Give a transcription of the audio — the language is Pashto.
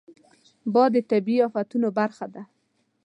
باد د طبیعي افتونو برخه ده